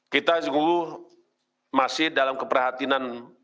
kita juga masih dalam keperhatian